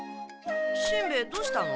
しんべヱどうしたの？